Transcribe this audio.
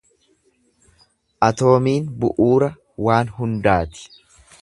Atoomiin bu’uura waan hundumaati.